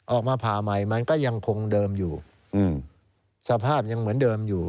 ออกมาผ่าใหม่มันก็ยังคงเดิมอยู่สภาพยังเหมือนเดิมอยู่